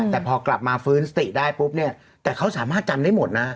แต่พอกลับมาฟื้นสติได้ปุ๊บเนี่ยแต่เขาสามารถจำได้หมดนะ